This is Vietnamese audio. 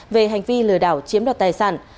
về hành vi lừa đảo chiếm đoạt tài sản